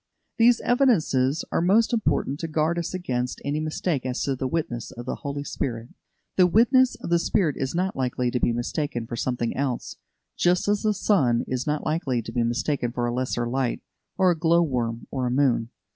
These evidences are most important to guard us against any mistake as to the witness of the Holy Spirit. The witness of the Spirit is not likely to be mistaken for something else, just as the sun is not likely to be mistaken for a lesser light, a glow worm or a moon.